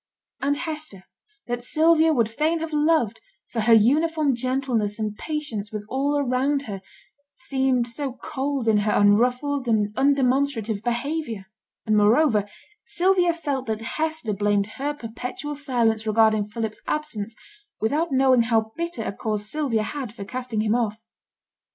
And Hester, that Sylvia would fain have loved for her uniform gentleness and patience with all around her, seemed so cold in her unruffled and undemonstrative behaviour; and moreover, Sylvia felt that Hester blamed her perpetual silence regarding Philip's absence without knowing how bitter a cause Sylvia had for casting him off.